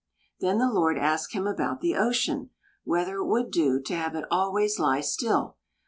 Then the Lord asked him about the ocean, whether it would do to have it always lie still.